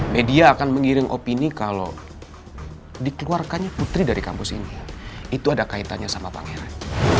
media akan mengiring opini kalau dikeluarkannya putri dari kampus ini itu ada kaitannya sama pangeran